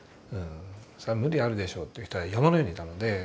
それ無理あるでしょって人は山のようにいたので。